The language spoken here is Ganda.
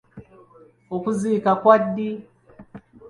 Okuziika kwa ddi?